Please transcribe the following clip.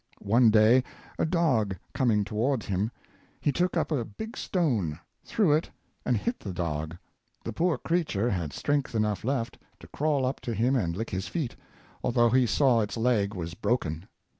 One day, a dog coming towards him, he took up a big stone, threw it, and hit the dog. The poor creature had strength enough left to crawl up to him and lick his feet, although he saw its leg was broken.